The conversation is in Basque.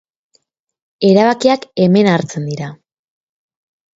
Erabakiak hemen hartzen dira.